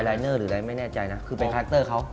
ต้องตั้งตัวหรืออะไรนะคือเป็นคาแรคเตอร์เค้า